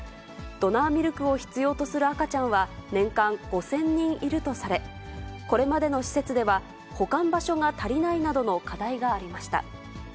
ドナーミルクを必要とする赤ちゃんは、年間５０００人いるとされ、これまでの施設では、保管場所が足りないなどの課題がありました。